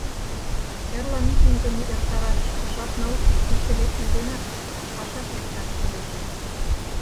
Эрла митингым эртараш жапна уке — кече лекме денак пашаш лекташ кӱлеш.